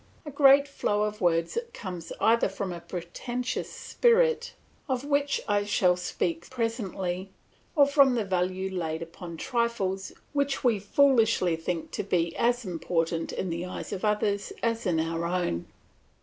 A great flow of words comes either from a pretentious spirit, of which I shall speak presently, or from the value laid upon trifles which we foolishly think to be as important in the eyes of others as in our own.